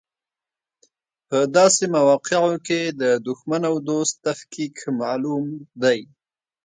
په داسې مواقعو کې د دوښمن او دوست تفکیک معلوم دی.